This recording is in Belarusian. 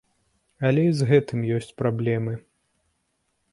Але і з гэтым ёсць праблемы.